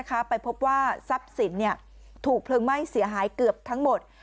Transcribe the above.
ในบ้านนะคะไปพบว่าทรัพย์สินเนี่ยถูกเพลิงไหม้เสียหายเกือบทั้งหมด